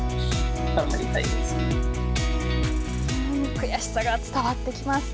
悔しさが伝わってきます。